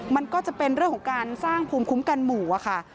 มันก็จะเป็นเรื่องของการสร้างภูมิคุ้มกันหมู่ค่ะ